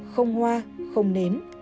không hoa không nến